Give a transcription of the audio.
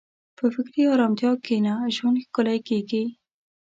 په فکري ارامتیا کښېنه، ژوند ښکلی کېږي.